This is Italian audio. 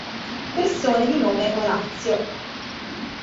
Persone di nome Orazio